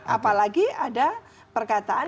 apalagi ada perkataan